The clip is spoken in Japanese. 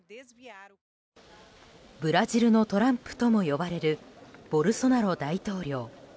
ブラジルのトランプとも呼ばれるボルソナロ大統領。